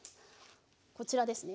こちらですね。